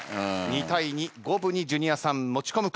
２対２五分にジュニアさん持ち込むか。